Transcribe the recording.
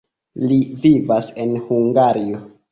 Li vivas en Hungario.